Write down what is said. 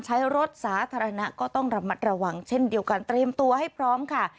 ใช้รถสาธารณะก็ต้องระมัดระวังเช่นเดียวกันเตรียมตัวให้พร้อมค่ะ